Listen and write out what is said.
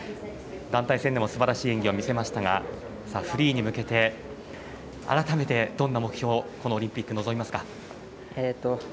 団体戦でもすばらしい演技を見せましたがフリーに向けて、改めてどんな目標、このオリンピック臨みますか？